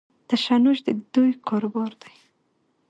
تشنج د دوی کاروبار دی.